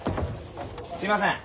すいません。